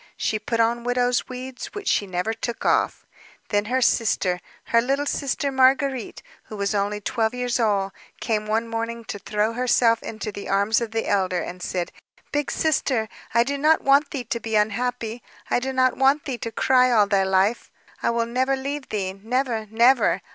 She put on widow's weeds, which she never took off. Then her sister, her little sister Marguérite, who was only twelve years old, came one morning to throw herself into the arms of the elder, and said: "Big Sister, I do not want thee to be unhappy. I do not want thee to cry all thy life. I will never leave thee, never, never!